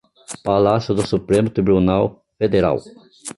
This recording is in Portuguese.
Palácio do Supremo Tribunal Federal